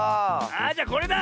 あじゃあこれだ！